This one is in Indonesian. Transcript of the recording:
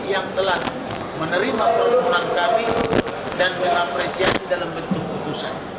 yang telah menerima permohonan kami dan mengapresiasi dalam bentuk putusan